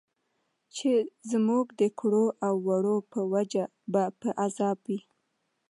چې زموږ د کړو او وړو په وجه به په عذاب وي.